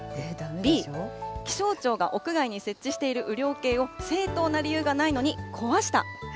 ｂ、気象庁が屋外に設置している雨量計を正当な理由がないのに壊した。